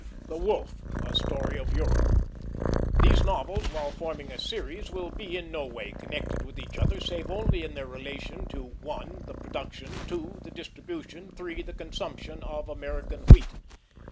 THE WOLF, a Story of Europe. These novels, while forming a series, will be in no way connected with each other save only in their relation to (1) the production, (2) the distribution, (3) the consumption of American wheat.